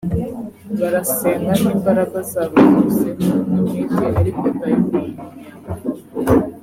barasenga n’imbaraga zabo zose n’umwete ariko dayimoni ntiyamuvamo